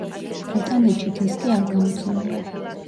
ბრიტანეთში დისკი არ გამოცემულა.